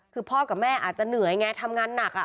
คือพ่อกับแม่อาจจะเหนื่อยไงทำงานหนัก